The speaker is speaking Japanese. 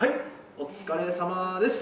お疲れさまです。